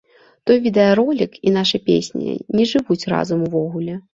Той відэаролік і наша песня не жывуць разам увогуле.